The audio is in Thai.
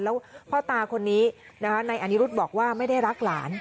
แล้วพ่อตาคนนี้ในอันนี้รุ่นบอกว่าไม่ได้รักหลาน